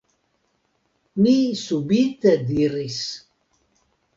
mi subite diris.